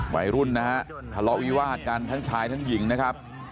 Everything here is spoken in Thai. วัยรุ่นนะฮะทะเลาะวิวาดกันทั้งชายทั้งหญิงนะครับ